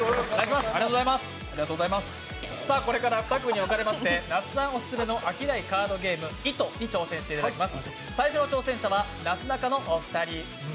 これから２組に分かれまして那須さんオススメの飽きないカードゲーム「ｉｔｏ」に挑戦していただきます。